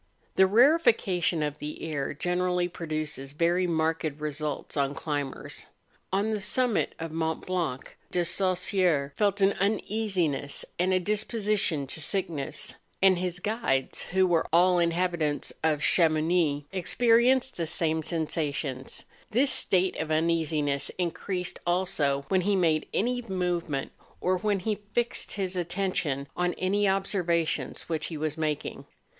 The rarefaction of the air generally produces very marked results on climbers. On the summit of Mont Blanc, De Saussure felt an uneasiness and a disposition to sickness; and his guides, who were all inhabitants of Chamounix, experienced the same 300 MOUNTAIN ADVENTURES. sensations. This state of uneasiness increased also .when he made any movement, or when he fixed his attention on any observations which he was making.